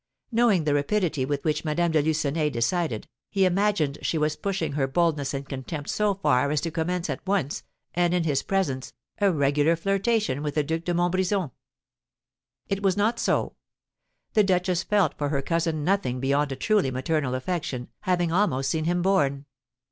Knowing the rapidity with which Madame de Lucenay decided, he imagined she was pushing her boldness and contempt so far as to commence at once, and in his presence, a regular flirtation with the Duc de Montbrison. It was not so. The duchess felt for her cousin nothing beyond a truly maternal affection, having almost seen him born.